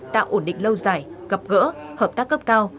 tạo ổn định lâu dài gặp gỡ hợp tác cấp cao